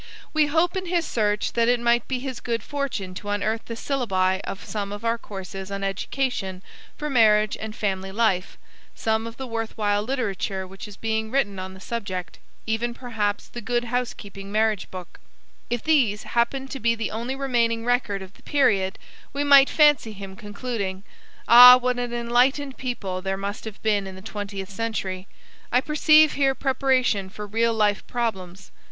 We hope in his search that it might be his good fortune to unearth the syllabi of some of our courses on Education for Marriage and Family Life, some of the worthwhile literature which is being written on the subject, even perhaps the Good Housekeeping Marriage Book. If these happened to be the only remaining record of the period, we might fancy him concluding, "Ah, what an enlightened people there must have been in the twentieth century. I perceive here preparation for real life problems.